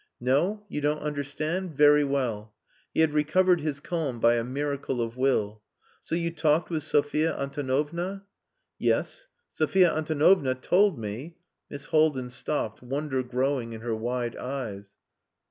"No? You don't understand? Very well." He had recovered his calm by a miracle of will. "So you talked with Sophia Antonovna?" "Yes. Sophia Antonovna told me...." Miss Haldin stopped, wonder growing in her wide eyes.